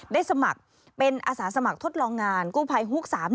สมัครเป็นอาสาสมัครทดลองงานกู้ภัยฮุก๓๐